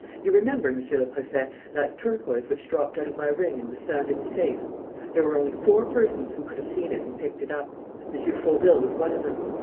You remember, Monsieur le Préfet, that turquoise which dropped out of my ring and was found in the safe? There were only four persons who could have seen it and picked it up. M. Fauville was one of them.